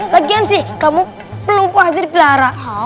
lagian sih kamu pelupa aja di pelihara